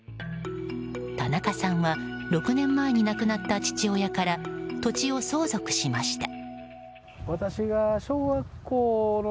田中さんは６年前に亡くなった父親から土地を相続しました。